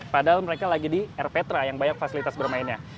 padahal mereka lagi di erpetra yang banyak fasilitas bermainnya